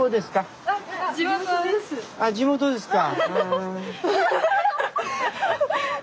あ地元ですか。